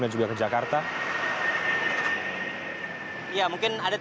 mereka juga melewati pertigaan cijapat